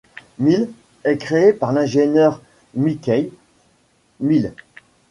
Mil est créé par l'ingénieur Mikhaïl Mil.